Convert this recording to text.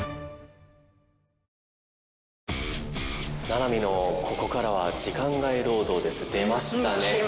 七海の「ここからは時間外労働です」出ましたね。